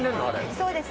そうです。